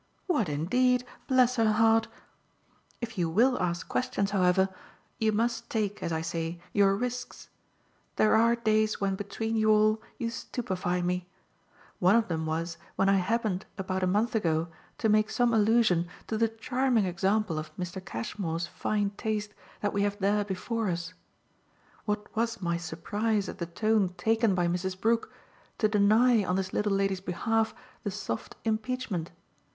"What indeed, bless her heart? If you WILL ask questions, however, you must take, as I say, your risks. There are days when between you all you stupefy me. One of them was when I happened about a month ago to make some allusion to the charming example of Mr. Cashmore's fine taste that we have there before us: what was my surprise at the tone taken by Mrs. Brook to deny on this little lady's behalf the soft impeachment?